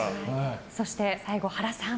そして最後、はらさん。